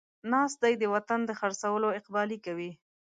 ناست دی د وطن د خر څولو اقبالې کوي